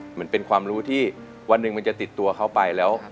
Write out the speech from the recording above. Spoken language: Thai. เหมือนเป็นความรู้ที่วันหนึ่งมันจะติดตัวเขาไปแล้ว